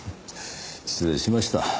失礼しました。